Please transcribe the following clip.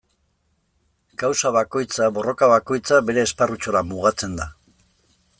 Kausa bakoitza, borroka bakoitza, bere esparrutxora mugatzen da.